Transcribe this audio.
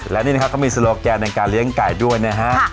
และนี่นะครับเขามีโลแกนในการเลี้ยงไก่ด้วยนะฮะ